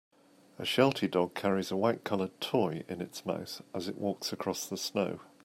A Sheltie dog carries a whitecolored toy in its mouth as it walks across the snow.